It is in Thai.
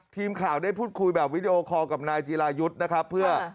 ทีมข่าวได้พูดคุยแบบวิดีโอคอลกับนายจีรายุทธ์นะครับเพื่อ